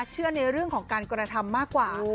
เชื่อในเรื่องของการคุณธรรมมากกว่า